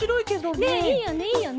ねえいいよねいいよね。